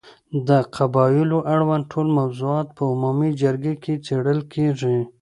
د قبایلو اړوند ټول موضوعات په عمومي جرګې کې څېړل کېږي.